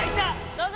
・どうぞ！